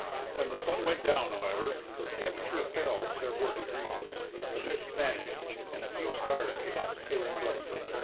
When the sun went down, however, the temperature fell several degrees, the mist vanished, and a few stars came out clear and bright.